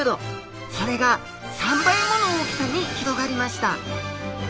それが３倍もの大きさに広がりました。